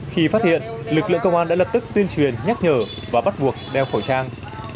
khi phát hiện lực lượng công an đã lập tức tuyên truyền nhắc nhở và bắt buộc đeo khẩu trang